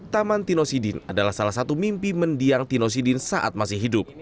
taman tino sidin adalah salah satu mimpi mendiang tino sidin saat masih hidup